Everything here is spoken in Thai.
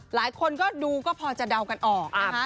หลายคนก็ดูก็พอจะเดากันออกนะคะ